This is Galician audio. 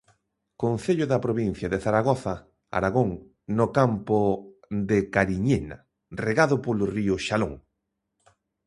Concello da provincia de Zaragoza, Aragón, no Campo de Cariñena, regado polo río Xalón.